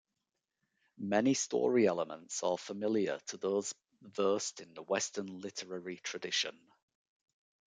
Many story elements are familiar to those versed in the Western literary tradition.